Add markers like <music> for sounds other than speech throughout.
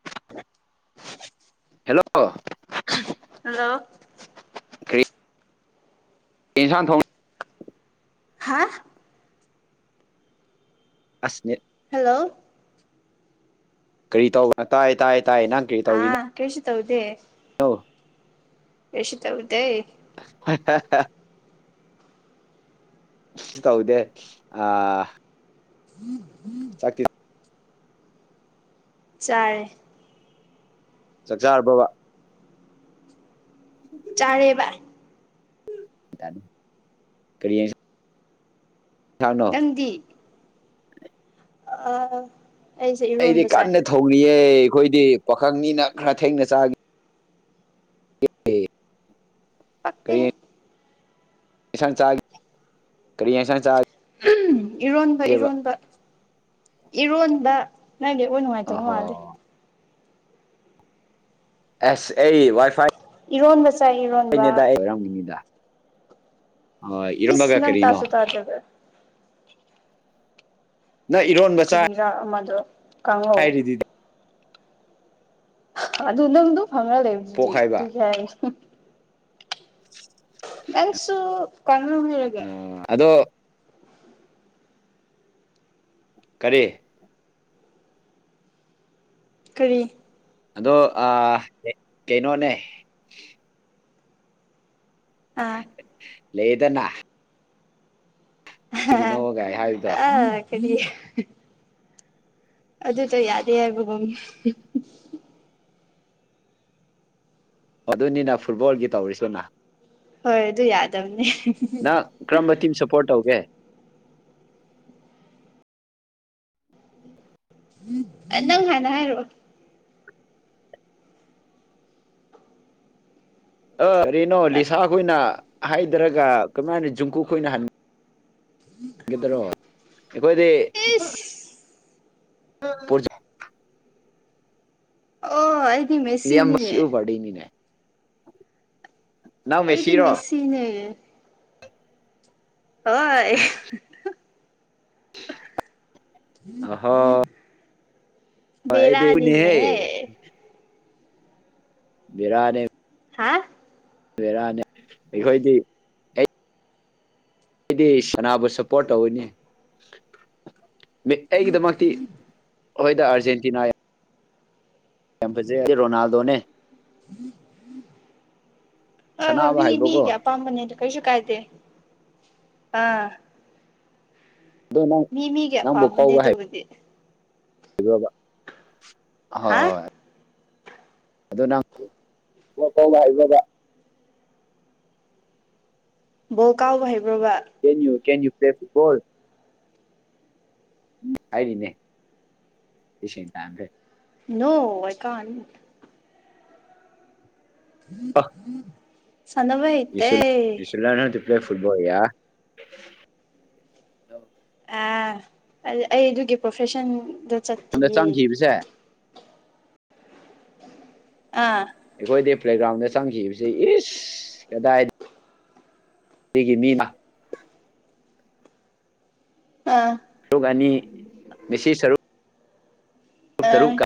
<unintelligible> hello hello ꯏꯟꯁꯥꯡ ꯊꯣꯡꯉ ꯍꯥ ꯑꯁꯃꯤ ꯍꯜꯂꯣ ꯀꯔꯤ ꯇꯧꯕꯅꯣ ꯇꯥꯏ ꯇꯥꯏ ꯇꯥꯏ ꯅꯪ ꯀꯔꯤ ꯇꯧꯔꯤ ꯅꯪ ꯑꯥ ꯀꯩꯁꯨ ꯇꯧꯗꯦ ꯑ ꯑꯦꯁꯤ ꯇꯕꯗꯦ <unintelligible> ꯇꯧꯗꯦ ꯑ ꯆꯥꯛꯀꯤ ꯆꯔꯦ ꯆꯥꯛꯆꯥꯥꯔꯔꯕꯕꯥ ꯆꯥꯔꯦꯕ ꯀꯔꯤ ꯌꯦꯟꯁꯥꯡꯅꯣ ꯅꯪꯗꯤ ꯑꯥ ꯑꯩꯁꯦ ꯑꯩꯗꯤ ꯏꯔꯣꯟꯕ ꯆꯥꯏ ꯀꯟꯅ ꯊꯧꯔꯤꯌꯦ ꯑꯩꯈꯣꯏꯗꯤ ꯄꯥꯈꯪꯅꯤꯅ ꯈꯔ ꯊꯦꯡꯅ ꯆꯥꯈꯤ ꯇꯦ ꯐ ꯑꯦꯁꯥ ꯆꯥ ꯀꯔꯤ ꯑꯦꯁꯥ ꯆꯥ ꯏꯔꯣꯟꯕ ꯏꯔꯣꯟꯕ ꯏꯔꯣꯟꯕ ꯅꯪꯒꯤ ꯍ ꯅꯨꯡꯉꯥꯏꯇꯕ ꯑꯍꯣ ꯃꯥꯜꯗꯤꯦ ꯑꯦꯁ ꯑꯦ ꯋꯥꯏ ꯐꯥꯏ ꯏꯔꯣꯟꯕ ꯆꯥꯏ ꯏꯔꯣꯟꯕ ꯅꯦꯗꯝꯅꯤꯗ ꯑ ꯏꯔꯝꯕ ꯀꯥ ꯏꯁ ꯅꯪ ꯀꯔꯤꯅꯣ ꯇꯥꯁꯨ ꯇꯥꯗꯕ ꯅꯪ ꯏꯔꯣꯟꯕ ꯆꯥꯏ ꯀꯔꯥ ꯑꯃꯗ ꯀꯥꯡꯉꯧ ꯍꯥꯏꯔꯤꯗꯨꯗꯤ ꯑꯗꯨ ꯅꯪꯗꯨ ꯐꯪꯉ ꯂꯩꯕ ꯑꯗꯨꯗꯤ ꯄꯣꯛ ꯍꯥꯏꯕ ꯑꯗꯨꯁꯨ ꯍꯥꯏ ꯅꯟꯁꯨ ꯀꯟꯅꯅꯨ ꯍꯒꯦ ꯑꯗꯣ ꯀꯔꯤ ꯀꯔꯤ ꯑꯗꯣ ꯀꯩꯅꯣꯅꯦ ꯑꯥ ꯂꯩꯗꯅ ꯑ ꯀꯩꯒꯤꯅꯣꯒꯥꯏ ꯍꯥꯏꯕꯗꯣ ꯑ ꯀꯔꯤ ꯑꯗꯨꯗꯣ ꯌꯥꯗꯦ ꯍꯥꯏꯕꯝ ꯑꯗꯨꯅꯤꯅ ꯐꯨꯠꯕꯣꯜꯒꯤ ꯇꯧꯔꯤꯁꯤꯅ ꯍꯣꯏ ꯑꯗꯨ ꯌꯥꯗꯕꯅꯤ ꯅꯪ ꯀꯔꯝꯕ ꯇꯤꯝ ꯁꯄꯣꯔꯠ ꯇꯧꯒꯦ ꯎꯝ ꯅꯪ ꯍꯅ ꯍꯥꯏꯔ ꯋꯥ ꯑ ꯔꯦꯅꯣ ꯂꯤꯁꯥ ꯈꯣꯏꯅ ꯍꯥꯏꯗꯔꯒ ꯀꯃꯥꯏꯅ ꯖꯨꯡꯀꯨ ꯈꯣꯏꯅ ꯍꯟ ꯗꯔꯣ ꯑꯩꯈꯣꯏꯗꯤ ꯏꯁ ꯄꯖꯠ ꯑꯣ ꯅ ꯌꯥꯝꯁꯤ ꯃꯦꯁꯤꯅꯤꯅꯦ ꯄꯅꯤꯅꯦ ꯑꯩꯗꯤ ꯃꯦꯁꯤꯅꯦ ꯍ <unintelligible> <inaudible> ꯎꯝ ꯎꯝ ꯍꯗꯤꯅꯤ ꯍꯦ ꯕꯤꯔꯥꯅꯤ ꯍꯥ <unintelligible> <inaudible> ꯂꯩꯔꯅꯦ ꯑꯩꯈꯣꯏꯗꯤ ꯑꯩꯗꯤ ꯁꯅꯥꯕꯨ ꯁꯞꯄꯣꯔꯠ ꯇꯧꯋꯤꯅꯦ ꯑꯩꯒꯤꯗꯃꯛꯇꯤ ꯍꯣꯏꯗ ꯑꯥꯔꯖꯦꯟꯇꯤꯅꯥ ꯀ ꯐꯦ ꯔꯣꯅꯥꯜꯗꯣꯅꯦ ꯎꯝ ꯍꯣꯏ ꯍꯣꯏ ꯁꯅꯥꯕ ꯃꯤ ꯍꯩꯕꯀꯣ ꯃꯤꯒꯤ ꯑꯄꯥꯝꯕꯅꯤꯗ ꯀꯩꯁꯨ ꯀꯥꯏꯗꯦ ꯑꯥ ꯑꯗꯣ ꯅꯪ ꯃꯤ ꯃꯤꯒꯤ ꯅꯪꯕꯨ ꯑꯄꯥꯝꯕꯅꯦ ꯀꯧꯕ ꯑꯗꯨꯕꯨꯗꯤ ꯍꯣꯏ ꯍꯥ ꯍꯣꯏ ꯑꯗꯨꯗ ꯅꯪꯕꯕꯥ <unintelligible> ꯀꯥꯎꯍꯤ ꯀꯦꯟ ꯌꯨ ꯀꯦꯟ ꯌꯨ ꯄ꯭ꯂꯦ ꯐꯤ ꯀꯣꯜ ꯎ ꯍꯥꯏꯕꯤꯅꯦꯁ ꯇꯝꯁꯦ ꯅꯀ <inaudible> ꯎꯝ ꯎꯝ ꯌꯁꯨꯂ ꯇ ꯄ꯭ꯂꯦ ꯐꯨꯠꯕꯣꯜ ꯌꯥ ꯑ ꯑꯩ ꯑꯗꯨꯒꯤ ꯄ꯭ꯔꯣꯐꯦꯁꯟꯗ ꯆꯠꯇꯌꯦ ꯆꯪꯈꯤꯕꯁꯦ ꯑꯥ ꯑꯩꯈꯣꯏꯗꯤ ꯄ꯭ꯂꯦꯒ꯭ꯔꯥꯎꯟꯗ ꯆꯪꯈꯤꯕꯁꯤ ꯏꯁ ꯀꯗꯥꯏ ꯁꯤꯒꯤ ꯃꯤꯅ ꯑꯥ ꯁꯔꯨꯒꯅꯤ ꯃꯦꯁꯤ ꯁꯔꯨꯛ ꯇꯨ ꯑꯥ ꯇꯔꯨꯛ ꯀ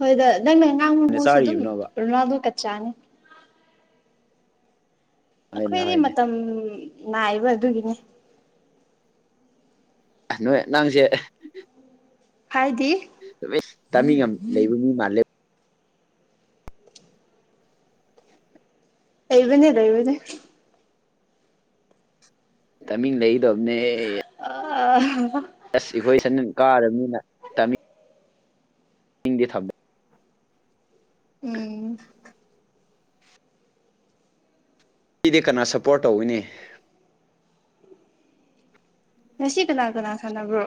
ꯍꯣꯏꯗ ꯅꯪ ꯃꯦꯉꯥꯡ ꯀꯥꯏꯅ ꯃꯃꯣꯁꯨ ꯑꯗꯨꯝ ꯆꯥꯔꯤꯕꯅꯣꯕ ꯔꯅ ꯑꯗꯨ ꯀ ꯆꯥꯅꯤ ꯍꯣꯏꯅꯦ ꯑꯩꯈꯣꯏꯗꯤ ꯍꯣꯏꯅꯦ ꯃꯇꯝ ꯅꯥꯏꯕ ꯑꯗꯨꯒꯤꯅꯦ ꯅꯣꯏ ꯅꯪꯁꯦ ꯍꯥꯏꯗꯤ ꯇꯥꯃꯤ ꯂꯩꯕ ꯃꯤ ꯃꯥꯜꯂꯦ ꯑꯩꯕꯅꯦꯗ ꯏꯕꯅꯦ ꯇꯃꯤ ꯂꯩꯗꯣ ꯑꯅꯦ ꯑ <unintelligible> <inaudible> ꯌꯦꯁ ꯑꯩꯈꯣꯏ ꯁꯟ ꯀꯥꯔꯕꯅꯤꯅ ꯇꯝꯃꯤ ꯍꯤꯡꯗꯤ ꯊꯕꯗ ꯎꯝ ꯑꯩꯗꯤ ꯀꯅꯥ ꯁꯞꯄꯣꯔꯠ ꯇꯧꯏꯤꯅꯦ ꯉꯁꯤ ꯀꯅꯥ ꯀꯅꯥ ꯁꯥꯟꯅꯕ꯭ꯔꯣ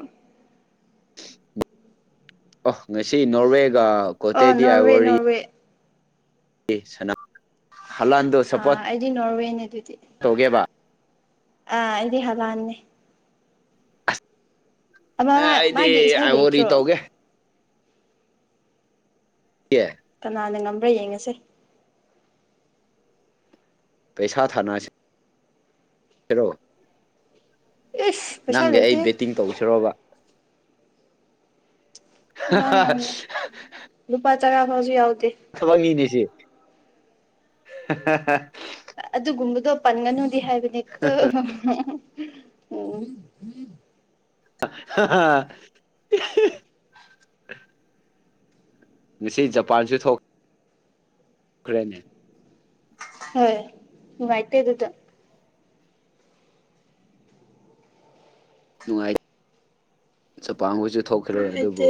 ꯑ ꯉꯁꯤ ꯅꯣꯔꯋꯦꯒ ꯑꯣ ꯀꯣꯇꯦꯗꯤ ꯑ ꯅꯣꯔꯋꯦ ꯋꯥꯔꯤꯔꯤ ꯅꯣꯔꯋꯦ ꯑꯦ ꯁꯅꯥ <inaudible> ꯑ ꯑꯩꯗꯤ ꯅꯔꯋꯦ ꯊꯣꯛꯒꯦꯕ ꯑ ꯏꯗꯤ ꯍꯂꯅꯦ ꯑꯃ ꯑ ꯃꯥꯒꯤ ꯏꯁꯩ ꯑꯩꯗꯤꯔꯤ ꯂꯩꯇ꯭ꯔꯣ ꯇꯧꯒꯦ ꯀ <unintelligible> <inaudible> ꯀꯅꯥꯅ ꯉꯝꯕ꯭ꯔꯥ ꯌꯦꯡꯉꯁꯦ ꯄꯩꯁꯥ ꯊ ꯅꯁꯦ ꯏꯁ ꯄꯩꯁꯥ ꯅꯪꯗꯤ ꯑꯩ ꯂꯩꯇꯦ ꯕꯦꯠꯇꯤꯡ ꯇꯧꯁꯤꯔꯣꯕ ꯅ ꯅ ꯂꯨꯄꯥ ꯆꯔꯥ ꯍꯧꯥꯎꯖꯤ ꯌꯥꯎ ꯊꯕꯛ ꯃꯤꯅꯦꯁꯦ ꯑꯗꯨꯒꯨꯝꯕꯗꯣ ꯄꯟꯒꯅꯨꯗꯤ ꯍꯥꯏꯕꯅꯦ ꯑꯣ ꯎꯝ <unintelligible> ꯉꯁꯤ ꯖꯄꯥꯟꯁꯨ ꯊꯣꯛ ꯀꯅꯦ ꯎꯥꯏꯇꯣꯏ ꯑꯗꯨꯗ ꯅꯨꯡꯉꯥꯏ ꯆꯄꯥꯡꯕꯣꯏꯁꯨ ꯊꯣꯛꯈ꯭ꯔꯦ ꯑꯗꯨꯕꯨ ꯅꯨꯡꯉꯥꯏꯇꯦ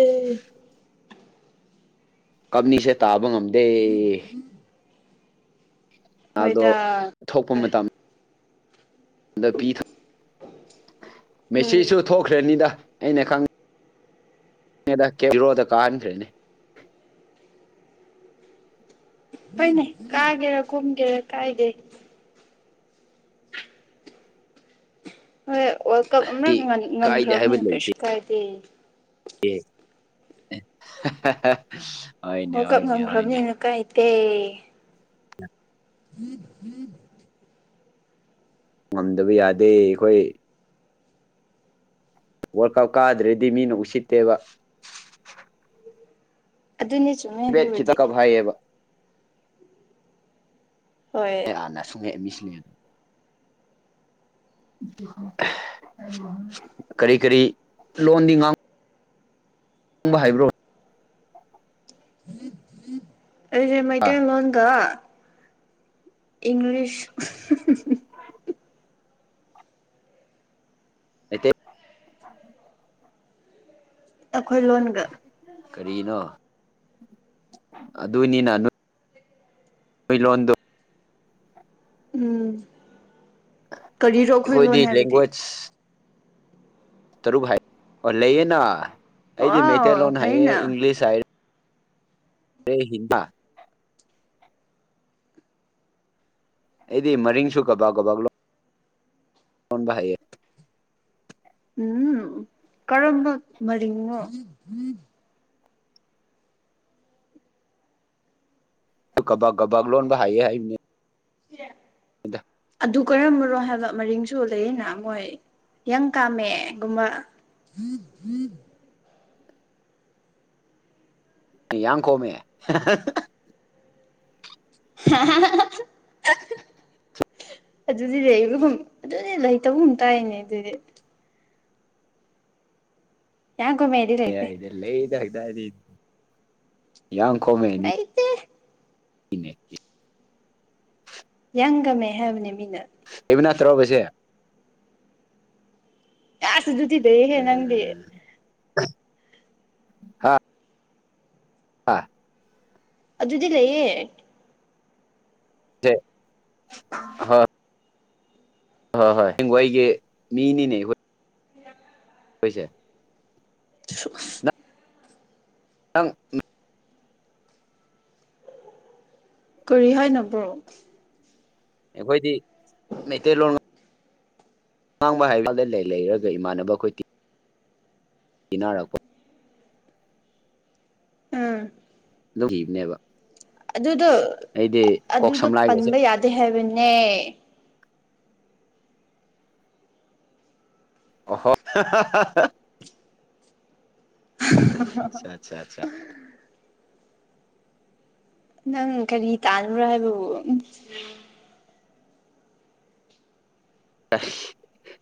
ꯀꯞꯅꯤꯁꯦ ꯇꯥꯕ ꯉꯝꯗꯦ ꯑꯗꯣ ꯍꯣꯏꯗ ꯊꯣꯛꯄ ꯃꯇꯝ ꯤ ꯎꯝ ꯃꯦꯁꯤꯖꯁꯨ ꯊꯣꯛꯈ꯭ꯔꯅꯤꯗ ꯑꯩꯅ ꯈꯪꯉ ꯗ ꯀꯦꯕꯤꯔꯣꯗ ꯀꯥꯍꯟꯈ꯭ꯔꯦꯅꯦ ꯍꯣꯏꯅꯦ ꯀꯥꯒꯦꯔ ꯀꯟꯒꯦꯔ ꯀꯥꯏꯒꯦ ꯍꯣꯏ ꯋꯥꯔꯜ ꯀꯞ ꯑꯃ ꯉꯝꯈ꯭ꯔꯕꯅꯤꯅ ꯀꯩꯁꯨ ꯀꯥꯏꯗꯦ ꯑꯦ ꯑꯣ ꯀꯞ ꯉꯝꯈ꯭ꯔꯕꯅꯤꯅ ꯀꯥꯏꯇꯦ ꯑ ꯎꯝ ꯎꯝ ꯉꯝꯗꯕ ꯌꯥꯗꯦ ꯑꯩꯈꯣꯏ ꯋꯥꯔꯜ ꯀꯞ ꯀꯥꯗ꯭ꯔꯦꯗꯤ ꯃꯤꯅ ꯎꯁꯤꯠꯇꯦꯕ ꯑꯗꯨꯅꯦ ꯆꯨꯝꯃꯦ ꯄ꯭ꯔꯥꯏꯚꯦꯠ ꯑꯗꯨꯕꯨꯗꯤ ꯈꯤꯇ ꯀꯞ ꯍꯥꯏꯌꯦꯕ ꯍꯣꯏ ꯥꯟꯅ ꯁꯨꯡꯉꯛꯑꯦ ꯃꯤꯁꯤꯅꯦ ꯑꯗꯨ ꯀꯔꯤ ꯀꯔꯤ ꯂꯣꯟꯗꯤ ꯉꯥꯡ ꯈꯪꯕ ꯍꯥꯏꯕ꯭ꯔꯣ ꯑꯩꯦ ꯃꯩꯇꯩ ꯂꯣꯟꯗ ꯏꯪꯂꯤꯁ ꯑꯠꯇꯣ ꯑꯩꯈꯣꯏ ꯂꯣꯟꯒ ꯀꯔꯤꯅꯣ ꯑꯗꯨꯅꯤꯅ ꯃ ꯂꯂꯣꯟꯗ ꯎꯝ ꯀꯔꯤꯔꯣꯈꯣꯏ ꯂꯣꯅꯦ ꯑꯩꯈꯣꯏꯗꯤ ꯍꯥꯏꯕꯗꯤ ꯂꯦꯡꯒ꯭ꯋꯦꯖ ꯇꯔꯨꯛ ꯍꯥꯏ ꯑꯣ ꯂꯩꯌꯦꯅ ꯑꯩꯗꯤ ꯑꯣ ꯃꯩꯇꯩꯂꯣꯟ ꯍꯥꯏꯌꯦ ꯐꯩꯅ ꯏꯪꯂꯤꯁ ꯍꯥꯏꯔꯦ ꯔ ꯍ ꯑꯦꯗꯤ ꯃꯔꯤ ꯁꯨ ꯀꯕꯥꯥꯛ ꯀꯕꯥ ꯂꯣ ꯐꯣꯟꯕ ꯍꯥꯏꯌꯦ ꯎꯝ ꯀꯔꯝꯕ ꯃꯔꯤꯉꯣ ꯀꯕꯥꯛ ꯀꯕꯥꯛ ꯂꯣꯟꯕ ꯍꯥꯏꯌꯦ ꯍꯥꯏꯕꯅꯦ ꯑꯗꯨ ꯀꯔꯝꯕꯅꯣ ꯍꯥꯏꯕ ꯃꯔꯤꯡꯁꯨ ꯂꯩꯅ ꯃꯣꯏ ꯍꯪ ꯀꯥꯝꯃꯦꯒꯨꯝꯕ ꯎꯝ ꯎꯝ ꯌꯥꯡ ꯀꯣꯃꯦ <unintelligible> ꯑꯗꯨꯗꯤ ꯂꯩꯕꯒꯨꯝ ꯑꯗꯨꯗꯤ ꯂꯩꯇꯕꯒꯨꯝ ꯇꯥꯏꯅꯦ ꯑꯗꯨꯗꯤ ꯌꯥꯒꯣ ꯃꯦꯗꯤꯔꯥꯏꯇ ꯗꯤ ꯩꯇ <unintelligible> ꯌꯥꯪꯒꯝꯃꯦ ꯍꯥꯏꯕꯅꯦ ꯃꯤꯅ ꯄꯨꯅ ꯇꯔꯥꯕꯁꯦ ꯇꯗꯗꯦꯍꯦ ꯅꯪꯒ ꯍꯥꯥ ꯑꯥ ꯑꯗꯨꯗꯤ ꯂꯩꯌꯦ ꯍ <unintelligible> <inaudible> ꯍꯣꯏ ꯍꯣꯏ ꯍꯦꯡꯒꯏꯒꯤ ꯃꯤꯅꯤꯅꯦ ꯑꯩꯈꯣꯏ ꯀꯣꯏꯁꯦ <unintelligible> <inaudible> ꯑꯪ ꯀꯔꯤ ꯍꯥꯏꯅ ꯕ꯭ꯔꯣ ꯑꯩꯈꯣꯏꯗꯤ ꯃꯩꯇꯩꯂꯣꯟ ꯑꯥꯡꯕ ꯍꯥꯏꯔꯀꯥꯟꯗ ꯂꯩ ꯂꯩꯔꯒ ꯏꯃꯥꯟꯅꯕ ꯑꯩꯈꯣꯏ ꯇꯤ ꯏꯟꯅꯔꯛꯄ ꯑꯥ ꯂꯧꯈꯤꯕꯅꯦꯕ ꯑꯗꯨꯗꯣ ꯀꯣꯛ ꯑꯗꯨꯗꯣ ꯁꯝꯂꯥꯏꯒꯁꯦ ꯄꯟꯕ ꯌꯥꯗꯦ ꯍꯥꯏꯕꯅꯦ ꯑꯣ ꯑꯠꯆꯥ ꯑꯠꯆꯥ ꯅꯪ ꯀꯔꯤ ꯇꯥꯥꯟ꯭ꯔ ꯍꯥꯏꯕꯕ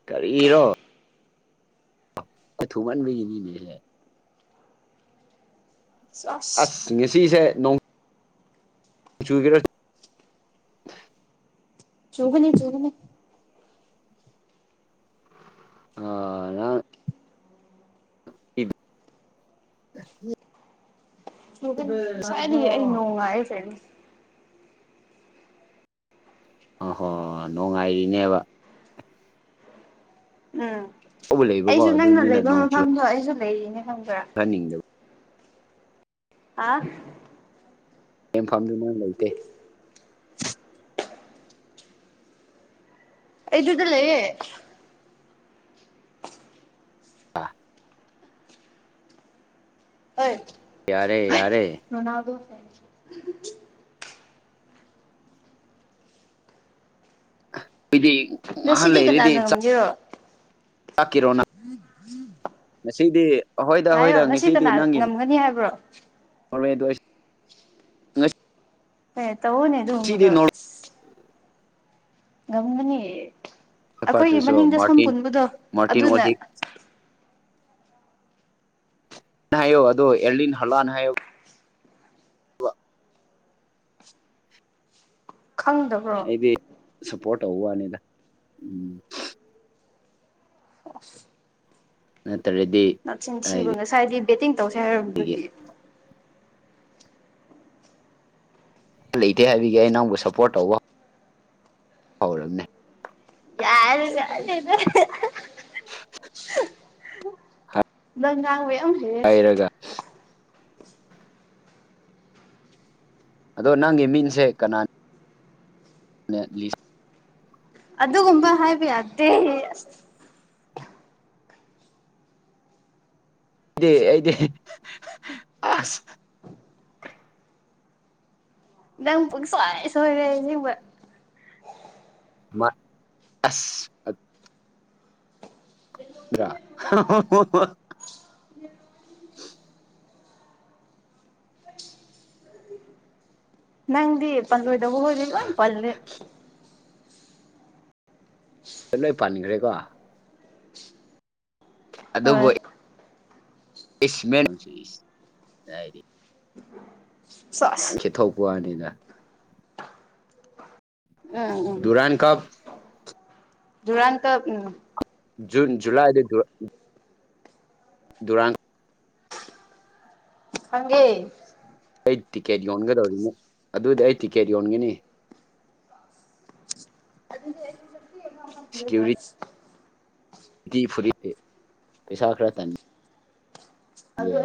ꯀꯔꯤꯔꯣ ꯀꯊꯨꯃꯟ ꯏꯅꯤꯅꯦ ꯑꯁ ꯑꯁ ꯉꯁꯤꯁꯦ ꯅꯣꯡ ꯆꯔ <inaudible> ꯆꯧꯕꯅꯦ ꯆꯕꯅꯦ ꯑ <inaudible> ꯏ <unintelligible> <inaudible> ꯉꯁꯥꯏꯗꯤ ꯑꯩ ꯅꯣꯡꯉꯥꯏ ꯐꯦꯅ ꯑ ꯍꯣ ꯅꯨꯡꯉꯥꯏꯔꯤꯅꯦꯕ ꯎꯝ ꯇꯧꯕ ꯂꯩꯕꯀꯣ ꯑꯩꯁꯨ ꯅꯪꯅ ꯂꯩꯕ ꯃꯐꯝꯗꯣ ꯑꯩꯁꯨ ꯂꯩꯔꯤꯅꯦ ꯈꯪꯕ꯭ꯔꯥ ꯍꯥꯏꯅꯤꯡꯗꯕ ꯑꯐ ꯌꯦꯡꯐꯝꯗꯨ ꯅꯣꯏ ꯂꯩꯇꯦ ꯏꯗ ꯂꯩꯌꯦ ꯑ <unintelligible> <inaudible> ꯌꯥꯔꯦ ꯌꯥꯔꯦ ꯅꯅꯥꯕ ꯐ <unintelligible> ꯑꯩꯗꯤ ꯑꯍꯜ ꯉꯁꯤꯗꯤ ꯂꯩꯔꯗꯤ ꯀꯅꯥꯅ ꯉꯝꯒꯦꯔꯣ ꯇꯥꯛꯀꯤꯔꯣꯅ ꯉꯁꯤꯗꯤ ꯑꯍꯣꯏꯗ ꯍꯥꯏꯌꯣ ꯑꯩꯣꯏꯗ ꯉꯁꯤ ꯉꯁꯤꯗꯤ ꯀꯅꯥ ꯅꯪꯒꯤꯅꯤ ꯉꯝꯒꯅꯤ ꯍꯥꯏꯕ꯭ꯔꯣ ꯍꯣꯔꯦꯗ ꯑꯣꯏꯁꯪꯁꯤ ꯍ ꯇꯧꯅꯦ ꯑꯗꯨꯗ ꯉꯝꯃꯅꯤ ꯑꯩꯈꯣꯏꯒꯤ ꯄꯥꯔꯇ꯭ꯔꯁꯨ ꯃꯅꯤꯡꯗ ꯁꯝ ꯃꯥꯔꯇꯤꯟ ꯄꯨꯟꯕꯗꯣ ꯃꯥꯔꯇꯤꯟ ꯑꯗꯨꯅ ꯑꯣꯗꯤꯛ ꯅꯑꯣ ꯑꯗꯣ ꯑꯦꯔꯂꯤꯅ ꯍꯂꯅꯣ ꯋꯥ ꯈꯪꯗꯕ꯭ꯔꯣ ꯑꯩꯗꯤ ꯁꯞꯄꯣꯔꯠ ꯇꯧꯕ ꯋꯥꯅꯤꯗ ꯎꯝ ꯑꯣ ꯅꯠꯇ꯭ꯔꯗꯤ ꯅꯁꯤꯟ ꯊꯤꯕ ꯍꯥꯏꯗꯤ ꯉꯁꯥꯏꯗꯤ ꯕꯦꯠꯇꯤꯡ ꯇꯧꯁꯦ ꯍꯥꯏꯔꯕꯗꯨꯗꯤ ꯂꯩꯇꯦ ꯍꯥꯏꯕꯒꯤ ꯑꯩ ꯅꯪꯕꯨ ꯁꯞꯄꯣꯔꯠ ꯇꯧꯕ ꯍꯧꯥꯎꯔꯝꯅꯦ ꯌꯥꯔꯦ ꯌꯥ ꯂꯪꯒꯥꯥ ꯍꯦ <unintelligible> ꯍꯥꯏꯩꯔꯒ ꯑꯗꯣ ꯅꯪꯒꯤ ꯃꯤꯡꯁꯦ ꯀꯅꯥꯅꯤ ꯂꯤꯁ ꯑꯗꯨꯒꯨꯝꯕ ꯍꯥꯏꯕꯤ ꯑꯗꯦ ꯗ ꯑꯩꯗꯤ ꯑꯁ ꯅꯪ ꯁꯣꯏ ꯁꯣꯏꯅꯤ ꯑꯁ <unintelligible> ꯎ <unintelligible> ꯅꯪꯗꯤ ꯄꯜꯣꯏꯗ ꯍꯔꯜꯅꯤ ꯄꯜ ꯂꯣꯏ ꯄꯥꯟꯈ꯭ꯔꯦꯀꯣ ꯍꯣꯏ ꯏꯃꯦ ꯅ ꯅꯪ ꯁꯣꯁ ꯈꯤꯊꯣꯛꯄꯅꯤꯅ ꯎꯝ ꯎꯝ ꯗꯨꯔꯥꯟ ꯀꯞ ꯙꯨꯔꯥꯟꯇ ꯎꯝ ꯖꯨꯂꯥꯏꯗ ꯗꯨꯔꯥꯡ ꯍꯪꯒꯤ ꯑꯩ ꯇꯤꯛꯀꯦꯠ ꯌꯣꯟꯒꯗꯧꯔꯤꯅꯦ ꯑꯗꯨꯗꯤ ꯑꯩ ꯇꯤꯛꯀꯦꯠ ꯌꯣꯟꯒꯅꯤ ꯑꯗꯨ ꯐ ꯄꯁꯥꯈ꯭ꯔ ꯇꯟ ꯑꯗꯨ